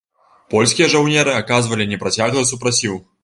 Польскія жаўнеры аказвалі непрацяглы супраціў.